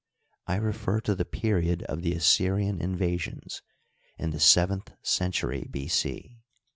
I refer to the period of the Assyrian invasions in the seventh century B. C.